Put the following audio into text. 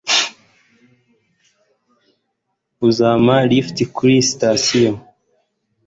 Uzampa lift kuri sitasiyo?